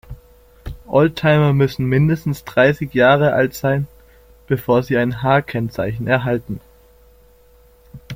Oldtimer müssen mindestens dreißig Jahre alt sein, bevor sie ein H-Kennzeichen erhalten.